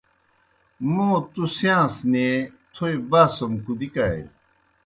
موں تُوْ سِیاݩس نیں تھوئے باسُم کُدِیکانیْ؟